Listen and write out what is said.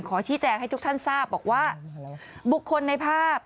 ชี้แจงให้ทุกท่านทราบบอกว่าบุคคลในภาพ